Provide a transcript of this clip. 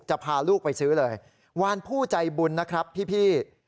พาลูกไปซื้อเลยวานผู้ใจบุญนะครับพี่